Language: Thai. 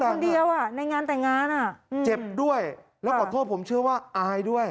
คนเดียวอ่ะในงานแต่งงานอ่ะเจ็บด้วยแล้วขอโทษผมเชื่อว่าอายด้วย